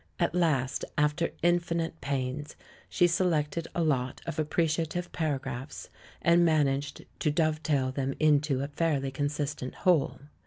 At last, after iniinite pains, she selected a lot of appreciative paragraphs and managed to dovetail them into a fairly consistent whole.